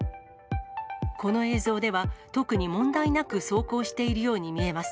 この映像では、特に問題なく走行しているように見えます。